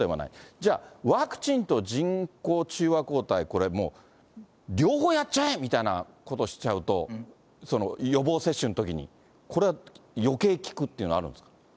じゃあ、ワクチンと人工中和抗体、これもう、両方やっちゃえみたいなことしちゃうと、予防接種のときに、これはよけい効くっていうのはあるんですか？